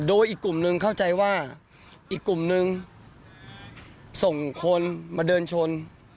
โดยอีกกลุ่มหนึ่งเข้าใจว่าอีกกลุ่มนึงส่งคนมาเดินชน